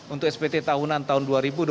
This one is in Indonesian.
untuk spt tahunan tahun dua ribu dua puluh